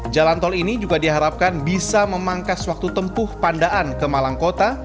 jalan tol ini juga diharapkan bisa memangkas waktu tempuh pandaan ke malang kota